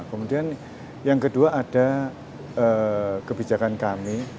kemudian yang kedua ada kebijakan kami